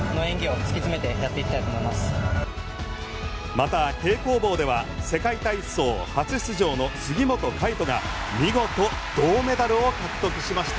また平行棒では世界体操初出場の杉本海誉斗が見事、銅メダルを獲得しました。